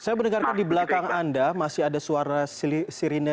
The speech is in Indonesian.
saya mendengarkan di belakang anda masih ada suara sirine